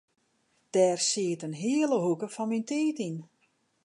Dêr sit in hiele hoeke fan myn tiid yn.